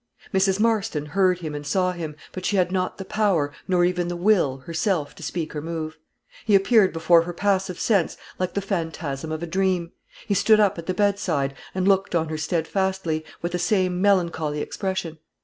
Mrs. Marston heard him and saw him, but she had not the power, nor even the will, herself to speak or move. He appeared before her passive sense like the phantasm of a dream. He stood up at the bedside, and looked on her steadfastly, with the same melancholy expression.